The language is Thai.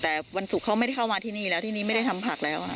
แต่วันศุกร์เขาไม่ได้เข้ามาที่นี่แล้วที่นี่ไม่ได้ทำผักแล้วค่ะ